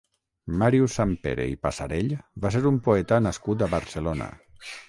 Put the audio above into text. Màrius Sampere i Passarell va ser un poeta nascut a Barcelona.